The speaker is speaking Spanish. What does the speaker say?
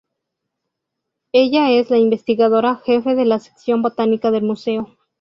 Ella es la investigadora Jefe de la Sección Botánica del Museo.